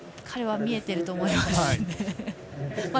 彼は見えていると思いますね。